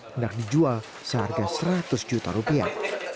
hendak dijual seharga seratus juta rupiah